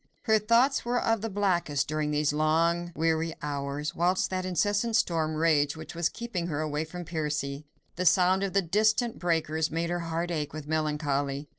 Her thoughts were of the blackest during these long, weary hours, whilst that incessant storm raged which was keeping her away from Percy. The sound of the distant breakers made her heart ache with melancholy.